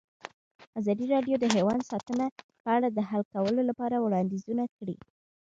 ازادي راډیو د حیوان ساتنه په اړه د حل کولو لپاره وړاندیزونه کړي.